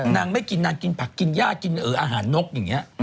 นางไม่กินนางกินผักกินย่ากินอาหารนกอย่างนี้